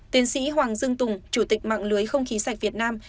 tiến sĩ hoàng dương tùng chủ tịch mạng lưới không khí sạch việt nam